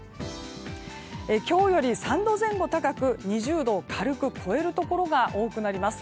今日より３度前後高く２０度を軽く超えるところが多くなります。